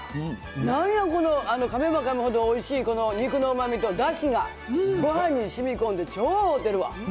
なんやこの、かめばかむほどおいしいこの肉のうまみとだしが、ごはんにしみこんで超おうてるわ。